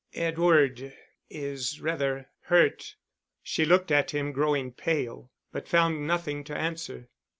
Edward is rather hurt." She looked at him, growing pale, but found nothing to answer.